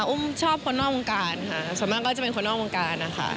อุ้มชอบคนนอกวงการค่ะส่วนมากก็จะเป็นคนนอกวงการนะคะ